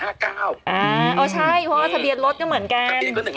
อ่าอ๋อใช่เพราะทะเบียดรถก็เหมือนกัน